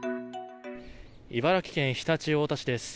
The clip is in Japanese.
茨城県常陸太田市です。